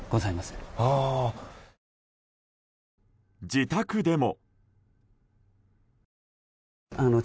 自宅でも。